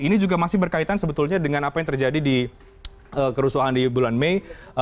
ini juga masih berkaitan sebetulnya dengan apa yang terjadi di kerusuhan di bulan mei